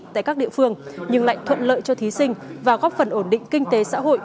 tại các địa phương nhưng lại thuận lợi cho thí sinh và góp phần ổn định kinh tế xã hội